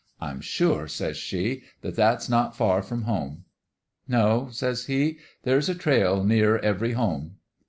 I'm sure,' says she, ' that that s not far from home.' "* No,' says he ;* there's a trail near every home.'